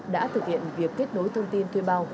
đã thực hiện việc kết nối thông tin thuê bao